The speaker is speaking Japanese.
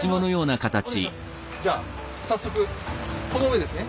じゃあ早速この上ですね？